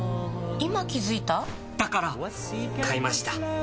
今気付いた？だから！買いました。